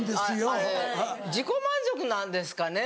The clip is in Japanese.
あれ自己満足なんですかね？